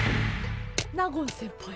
納言先輩